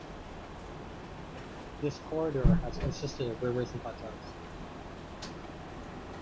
This corridor has consisted of rivers and plateaus.